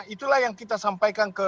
itulah yang kita sampaikan ke